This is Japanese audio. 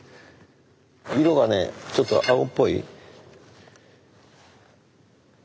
色がねちょっと青っぽい。